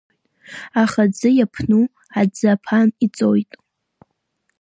Аха аӡы иаԥну аӡы аԥан иҵоит!